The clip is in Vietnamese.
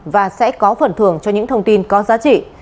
và sẽ có phần thường cho những thông tin có giá trị